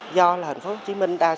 do là thành phố hồ chí minh